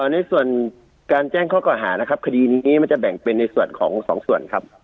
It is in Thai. ในส่วนการแจ้งข้อกล่าหานะครับคดีนี้มันจะแบ่งเป็นในส่วนของสองส่วนครับ